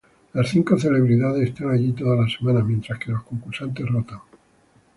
Las cinco celebridades están allí toda la semana, mientras que los concursantes rotan.